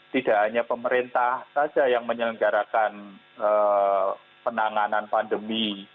tidak hanya pemerintah saja yang menyelenggarakan penanganan pandemi